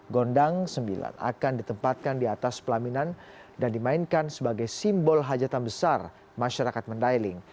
gondang sembilan akan ditempatkan di atas pelaminan dan dimainkan sebagai simbol hajatan besar masyarakat mandailing